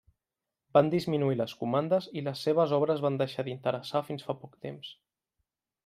Van disminuir les comandes i les seves obres van deixar d'interessar fins fa poc temps.